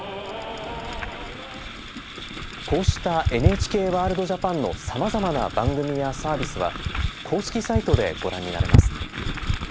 こうした「ＮＨＫワールドＪＡＰＡＮ」のさまざまな番組やサービスは公式サイトでご覧になれます。